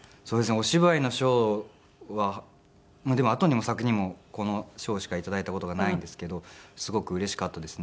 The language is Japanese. お芝居の賞はでも後にも先にもこの賞しか頂いた事がないんですけどすごくうれしかったですね。